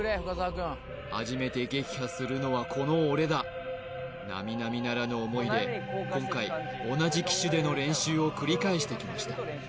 初めて撃破するのはこの俺だ並々ならぬ思いで今回同じ機種での練習を繰り返してきました